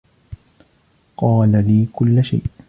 قال لي كل شيء.